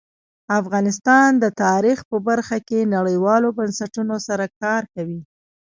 افغانستان د تاریخ په برخه کې نړیوالو بنسټونو سره کار کوي.